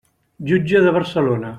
Jutge de Barcelona.